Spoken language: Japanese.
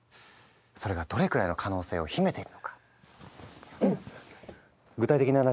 それがどれくらいの可能性を秘めているのか具体的な話